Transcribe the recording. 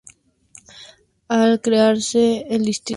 Al crearse el Distrito Pacificador, pasó a ser parte de dicho distrito.